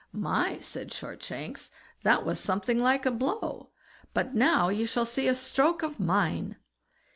"My!" said Shortshanks, "that was something like a blow, but now you shall see a stroke of mine."